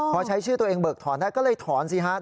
พอใช้ชื่อตัวเองเบิกถอนได้ก็เลยถอนสิฮะ